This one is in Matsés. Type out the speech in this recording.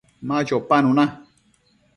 Ma chopanuna